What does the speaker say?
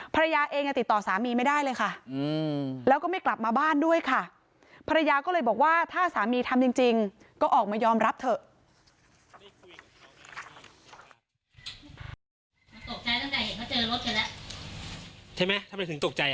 ภรรยาเองยังติดต่อสามีไม่ได้เลยค่ะแล้วก็ไม่กลับมาบ้านด้วยค่ะภรรยาก็เลยบอกว่าถ้าสามีทำจริงก็ออกมายอมรับเถอะ